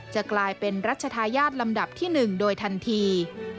จะกลายเป็นรัชธาญาติลำดับที่๑โดยทันที